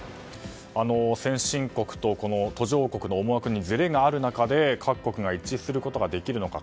先進国と途上国の思惑にずれがある中で各国が一致できるのか。